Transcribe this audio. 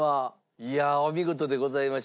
いやあお見事でございました。